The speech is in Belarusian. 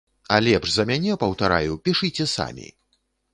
А лепш за мяне, паўтараю, пішыце самі!